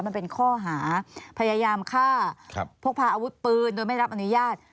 มันเป็นข้อหาพยายามฆ่าพกพาอาวุธปืนโดยไม่รับอนุญาต